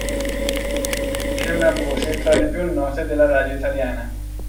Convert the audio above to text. È una voce tra le più note della radio italiana.